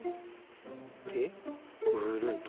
でぐるんと。